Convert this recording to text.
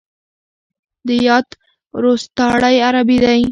د يات روستاړی عربي دی.